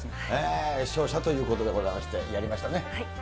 視聴者ということでございまして、やりましたね。